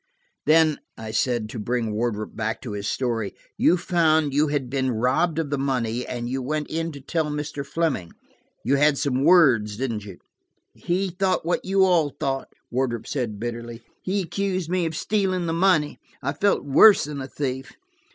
"Then," I said, to bring Wardrop back to his story, "you found you had been robbed of the money, and you went in to tell Mr. Fleming. You had some words, didn't you?" "He thought what you all thought," Wardrop said bitterly. "He accused me of stealing the money. I felt worse than a thief.